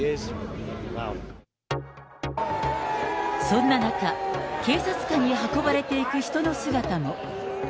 そんな中、警察官に運ばれていく人の姿も。